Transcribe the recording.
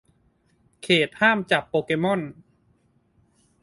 เขตห้ามจับโปเกม่อน